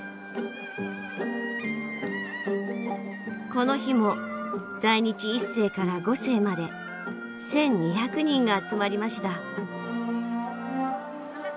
この日も在日一世から五世まで１，２００人が集まりました。